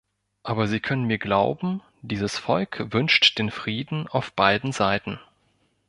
Aber Sie können mir glauben, dieses Volk wünscht den Frieden auf beiden Seiten.